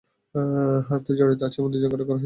হত্যায় জড়িত আছে এমন দুজনকে আটক করেছে বলে পুলিশ দাবি করে।